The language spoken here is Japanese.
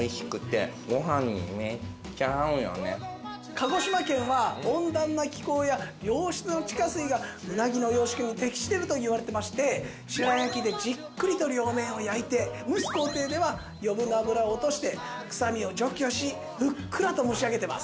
鹿児島県は温暖な気候や良質な地下水がうなぎの養殖に適してるといわれてまして白焼きでじっくりと両面を焼いて蒸す工程では余分な脂を落としてくさみを除去しふっくらと蒸し上げてます。